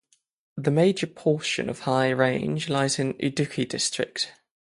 The major portion of high range lies in Idukki district.